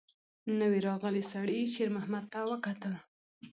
نوي راغلي سړي شېرمحمد ته وکتل.